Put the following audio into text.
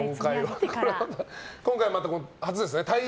今回また初ですね